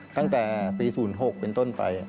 ตั้งแต่ปี๐๖เป็นต้นไป